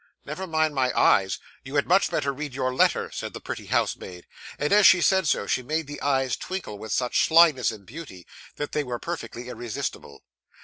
'Never mind my eyes; you had much better read your letter,' said the pretty housemaid; and as she said so, she made the eyes twinkle with such slyness and beauty that they were perfectly irresistible.